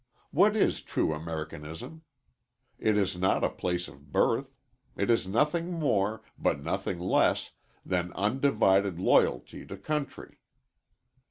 What is true Americanism? It is not place of birth. It is nothing more, but nothing less, than undivided loyalty to country.